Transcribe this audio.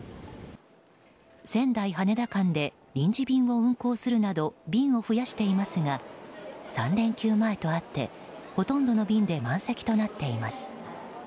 仙台羽田間で臨時便を運航するなど便を増やしていますが３連休前とあってほとんどの便で満席となっています。